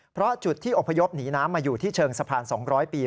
เพราะจุดที่อพยพหนีน้ำมาอยู่ที่เชิงสะพาน๒๐๐ปี